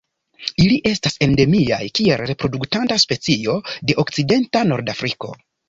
Ili estas endemiaj kiel reproduktanta specio de okcidenta Nordafriko.